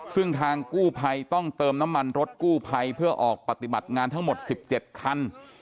ซึ่งทางกู้ภัยต้องเติมน้ำมันรถกู้ภัยเพื่อออกปฏิบัติงานทั้งหมด๑๗คัน